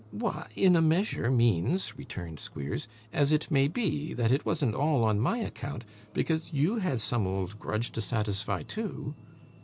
'Why, in a measure means,' returned Squeers, 'as it may be, that it wasn't all on my account, because you had some old grudge to satisfy, too.